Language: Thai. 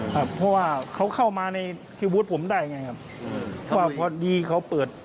เพราะว่าเขาเข้ามาในที่บุธผมได้ไงครับเพราะว่าพอดีเขาเปิด